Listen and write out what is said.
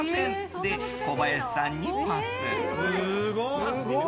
で、小林さんにパス。